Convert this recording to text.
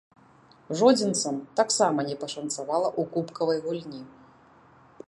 Жодзінцам таксама не пашанцавала ў кубкавай гульні.